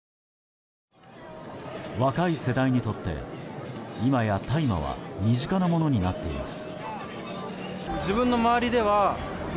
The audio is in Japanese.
若い世代にとって、今や大麻は身近なものになっています。